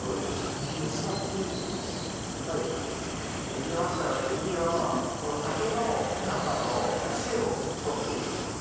できましたら次はこの竹の中の節を取っていきます。